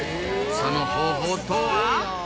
その方法とは？